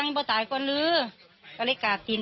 น้ายเรียกสร้าง